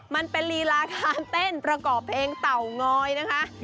มันเป็นลีลาการเต้นประกอบเพลงเต่างอยนะคะ